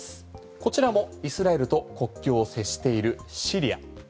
こちらもイスラエルと国境を接しているシリア。